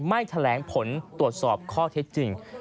ไม่แถลงผลตรวจสอบข้อเท็จจริง